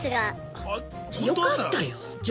よかったよ。